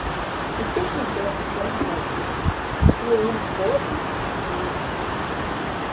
O que acontece com um coxo, um ano coxo e meio.